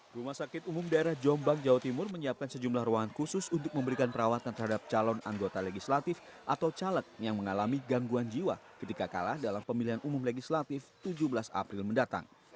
rumah sakit umum daerah jombang jawa timur menyiapkan sejumlah ruangan khusus untuk memberikan perawatan terhadap calon anggota legislatif atau caleg yang mengalami gangguan jiwa ketika kalah dalam pemilihan umum legislatif tujuh belas april mendatang